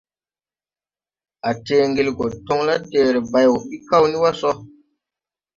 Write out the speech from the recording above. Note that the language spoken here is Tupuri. A tee ngel go toŋ la dɛɛre bay wo ɓi kaw ni wa so.